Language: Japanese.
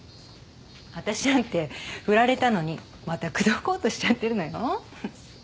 私なんて振られたのにまた口説こうとしちゃってるのよ。